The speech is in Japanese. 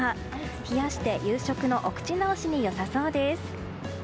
冷やして夕食のお口直しに良さそうです。